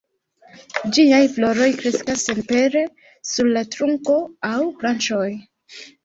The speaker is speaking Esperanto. Ĝiaj floroj kreskas senpere sur la trunko aŭ branĉoj.